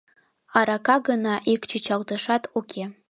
Арака гына ик чӱчалтышат уке.